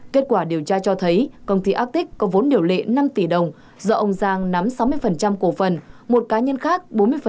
kết quả điều tra cho thấy công ty atic có vốn điều lệ năm tỷ đồng do ông giang nắm sáu mươi cổ phần một cá nhân khác